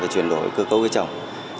chuyển đổi cơ cấu với chồng